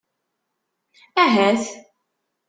Ahat.